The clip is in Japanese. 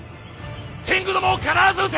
天狗どもを必ず討て！